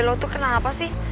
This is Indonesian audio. lo tuh kenapa sih